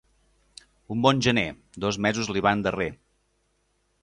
Un bon gener, dos mesos li van darrer.